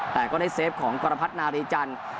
แต่ก็ได้เซฟของกรพัฒนารีจันทร์